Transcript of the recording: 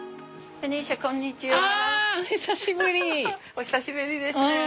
お久しぶりですね。